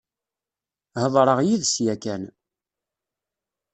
Heḍṛeɣ yid-s yakan.